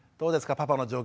パパの状況